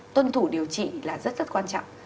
tuân thủ điều trị là rất rất quan trọng